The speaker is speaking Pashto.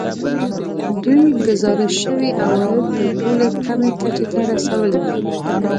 دوی ګزارش شوي عواید تر ټولو کمې کچې ته رسولي